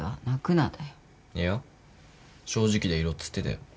いや正直でいろっつってたよ。